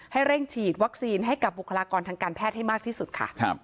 ให้เร่งฉีดวัคซีนให้กับบุคลากรทางการแพทย์ให้มากที่สุดค่ะ